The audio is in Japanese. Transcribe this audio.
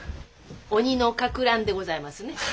「鬼の霍乱」でございますね。